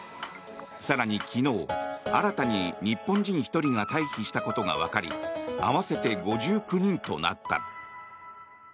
更に昨日、新たに日本人１人が退避したことがわかり合わせて５９人となった。